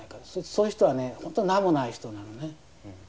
そういう人は名もない人なのね。